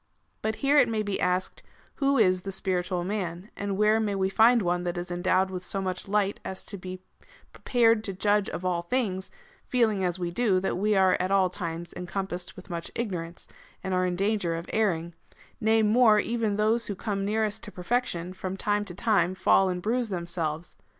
But here it may be asked, who is the spiritual man, and where we may find one that is endowed with so much light as to be prepared to judge of all things, feeling as we do, that we are at all times encompassed with much ignorance, and are in danger of erring : nay more, even those who come nearest to perfection from time to time fall and bruise them selves.